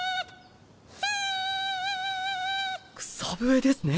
草笛ですね。